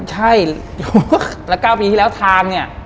ใช่แล้ว๙ปีที่แล้วทางเนี่ย